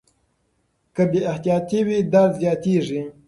که بې احتیاطي وي درد زیاتېږي.